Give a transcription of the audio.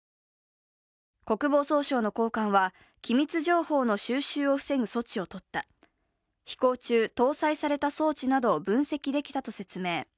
国防総省の高官は、機密情報の収集を防ぐ措置をとった、飛行中、搭載された装置などを分析できたと説明。